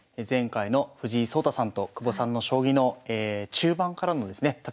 前回の藤井聡太さんと久保さんの将棋の中盤からのですね